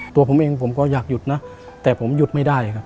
ตัวผมเองผมก็อยากหยุดนะแต่ผมหยุดไม่ได้ครับ